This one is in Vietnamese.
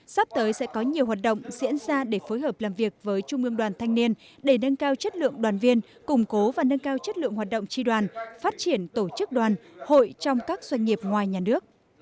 sắp tới sẽ có nhiều hoạt động diễn ra để phối hợp làm việc với trung ương đoàn thanh niên để nâng cao chất lượng đoàn viên củng cố và nâng cao chất lượng hoạt động tri đoàn phát triển tổ chức đoàn hội trong các doanh nghiệp ngoài nhà nước